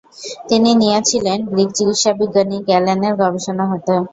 তিনি নিয়েছিলেন গ্রিক চিকিৎসাবিজ্ঞানী গ্যালেনের গবেষণা হতে।